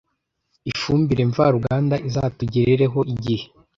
ifumbire mvaruganda izatugerereho igihe